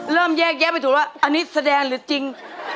แยกแยะไปถูกว่าอันนี้แสดงหรือจริง